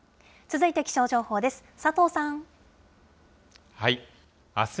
続いて気象情報です。